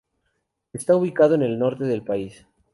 Está ubicado en el norte del país.